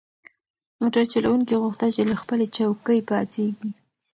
موټر چلونکي غوښتل چې له خپلې چوکۍ پاڅیږي.